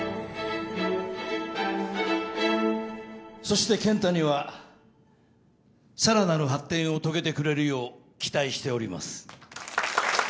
そして健太にはさらなる発展を遂げてくれるよう期待しております。